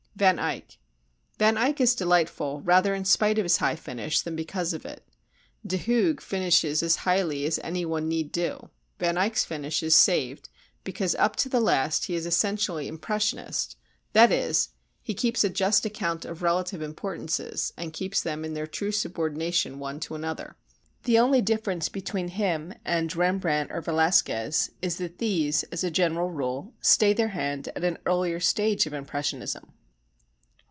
Van Eyck Van Eyck is delightful rather in spite of his high finish than because of it. De Hooghe finishes as highly as any one need do. Van Eyck's finish is saved because up to the last he is essentially impressionist, that is, he keeps a just account of relative importances and keeps them in their true subordination one to another. The only difference between him and Rembrandt or Velasquez is that these, as a general rule, stay their hand at an earlier stage of impressionism.